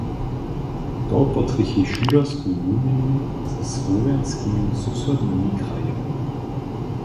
To potrjechi šulersku wuměnu ze słowjanskimi susodnymi krajemi.